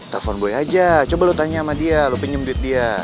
telepon boy aja coba lu tanya sama dia lu pinjem duit dia